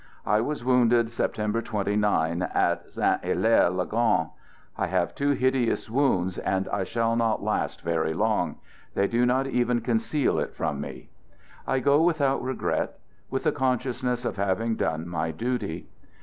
I was wounded September 29 at Saint Hilaire le Grand. I have two hideous wounds, and I shall not last very long. They do not even conceal it from me. I go without regret, with the consciousness of having done my duty.